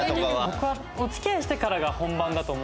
僕はお付き合いしてからが本番だと思うんで。